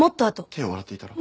手を洗っていたら。